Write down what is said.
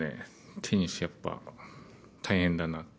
テニス、やっぱ大変だなって。